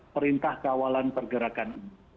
perintah kawalan pergerakan